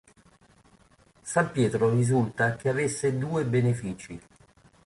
San Pietro risulta che avesse due benefici.